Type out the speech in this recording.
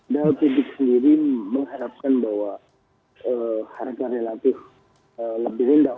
dau tidik sendiri mengharapkan bahwa harga relatif lebih rendah